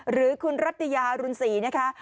หรือคุณรัตยารุณศรีนะคะ